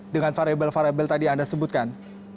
dengan variable variable tadi anda sebutkan